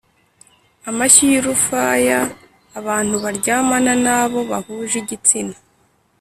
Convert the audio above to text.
amashyi y urufaya Abantu baryamana n abo bahuje igitsina